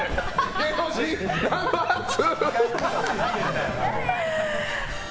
芸能人ナンバー３！